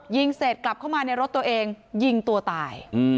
ยิงเสร็จกลับเข้ามาในรถตัวเองยิงตัวตาย